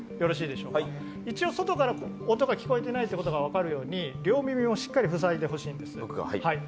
一応外から音が聞こえていないということが分かるように、両耳をしっかり塞いでほしいんです。